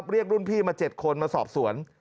เรียกรุ่นพี่มา๗คนมาสอบสวน